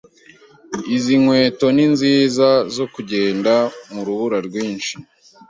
Izi nkweto ninziza zo kugenda mu rubura rwinshi.